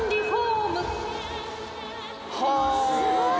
すごい。